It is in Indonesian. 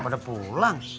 udah pada pulang